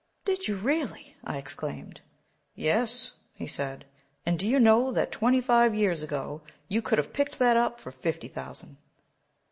"Did you really!" I exclaimed. "Yes," he said, "and do you know that twenty five years ago you could have picked that up for fifty thousand!"